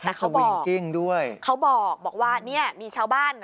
แต่เขาวิ่งกิ้งด้วยเขาบอกบอกว่าเนี่ยมีชาวบ้าน